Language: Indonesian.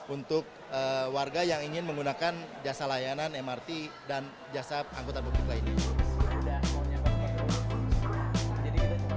untuk warga yang ingin menggunakan jasa layanan mrt dan jasa angkutan publik lainnya